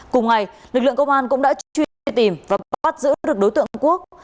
cùng ngày lực lượng công an cũng đã truy tìm và bắt giữ được đối tượng quốc